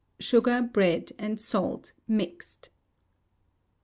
Sugar, bread, and salt mixed.